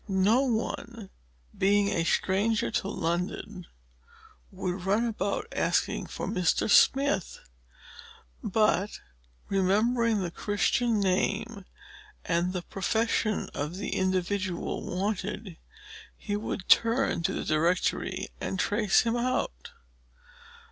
No one, being a stranger to London, would run about asking for "MR. SMITH." But, remembering the Christian name and the profession of the individual wanted, he would turn to the DIRECTORY, and trace him out.